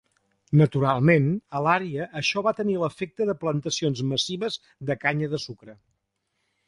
Naturalment, a l'àrea això va tenir l'efecte de plantacions massives de canya de sucre.